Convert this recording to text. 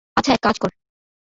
আচ্ছা, এক কাজ কর।